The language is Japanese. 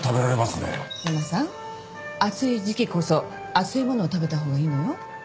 山さん暑い時期こそ熱いものを食べたほうがいいのよ。